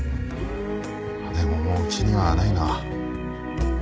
でももううちにはないな。